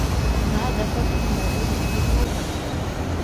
فَهَذَا فَرْقٌ مَا بَيْنَ الْحُزْنِ وَالْغَضَبِ